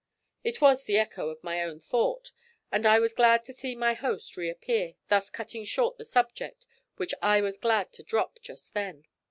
It was the echo of my own thought, and I was glad to see my host reappear, thus cutting short the subject, which I was glad to drop just then.